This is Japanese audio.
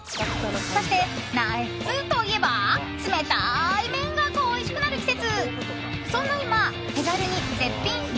そして、夏といえば冷たい麺が恋しくなる季節。